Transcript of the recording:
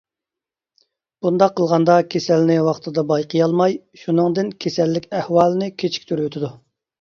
بۇنداق قىلغاندا كېسەلنى ۋاقتىدا بايقىيالماي، شۇنىڭدىن كېسەللىك ئەھۋالىنى كېچىكتۈرۈۋېتىدۇ.